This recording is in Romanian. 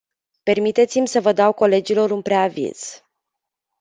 Permiteți-mi să dau colegilor un preaviz.